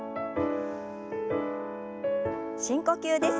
深呼吸です。